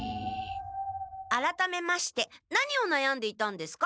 あらためまして何をなやんでいたんですか？